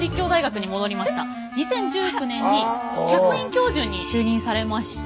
２０１９年に客員教授に就任されまして。